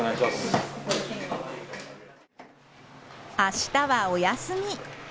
明日はお休み。